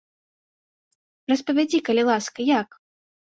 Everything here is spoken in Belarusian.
Распавядзі, калі ласка, як?